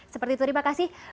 seperti itu terima kasih